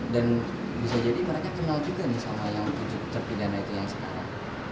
dan bisa jadi mereka kenal juga nih sama yang tujuh terpidana itu yang sekarang